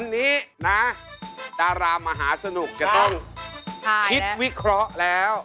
วันนี้นะดารามหาสนุกจะต้องคิดวิเคราะห์แล้ว